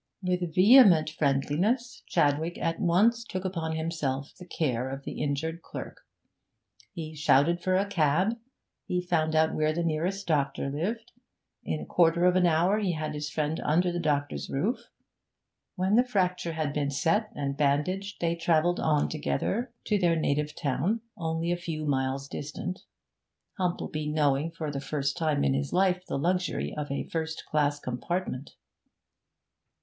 With vehement friendliness Chadwick at once took upon himself the care of the injured clerk. He shouted for a cab, he found out where the nearest doctor lived; in a quarter of an hour he had his friend under the doctor's roof. When the fracture had been set and bandaged, they travelled on together to their native town, only a few miles distant, Humplebee knowing for the first time in his life the luxury of a first class compartment.